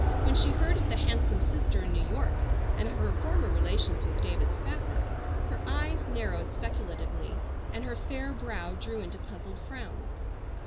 When she heard of the handsome sister in New York, and of her former relations with David Spafford, her eyes narrowed speculatively, and her fair brow drew into puzzled frowns.